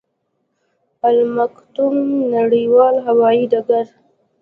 المکتوم نړیوال هوايي ډګر